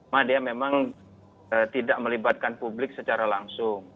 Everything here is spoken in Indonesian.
mereka memang tidak melibatkan publik secara langsung